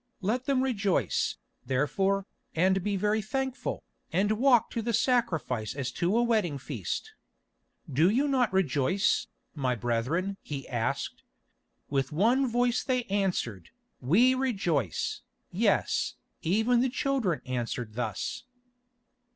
Let them rejoice, therefore, and be very thankful, and walk to the sacrifice as to a wedding feast. "Do you not rejoice, my brethren?" he asked. With one voice they answered, "We rejoice!" Yes, even the children answered thus.